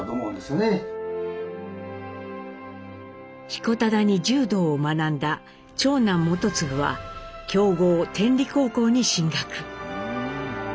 彦忠に柔道を学んだ長男基次は強豪天理高校に進学。